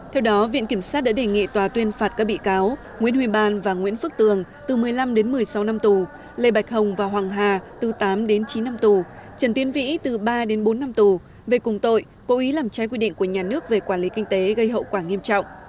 theo đó viện kiểm sát đã đề nghị tòa tuyên phạt các bị cáo nguyễn huy ban và nguyễn phước tường từ một mươi năm đến một mươi sáu năm tù lê bạch hồng và hoàng hà từ tám đến chín năm tù trần tiến vĩ từ ba đến bốn năm tù về cùng tội cố ý làm trái quy định của nhà nước về quản lý kinh tế gây hậu quả nghiêm trọng